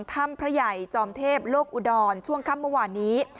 ถ้ำพระใหญ่จอมเทพโลกอุดรช่วงค่ำเมื่อวานนี้